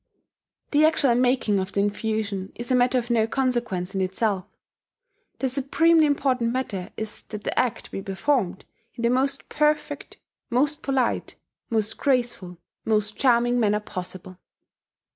The actual making of the infusion is a matter of no consequence in itself: the supremely important matter is that the act be performed in the most perfect, most polite, most graceful, most charming manner possible.